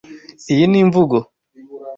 Iyi ni imvugo?